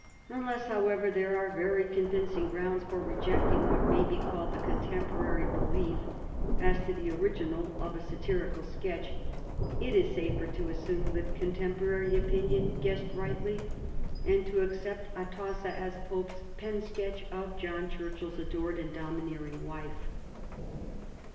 Unless, however, there are very convinc ing grounds for rejecting what may be called the con temporary belief as to the original of a satirical sketch, it is safer to assume that contemporary opinion guessed rightly, and to accept Atossa as Pope's pen sketch of John ChurchilPs adored and domineering wife.